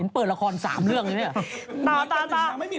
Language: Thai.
เปิดละคร๓เรื่องเลยเนี่ย